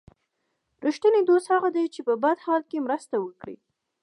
رښتینی دوست هغه دی چې په بد حال کې مرسته وکړي.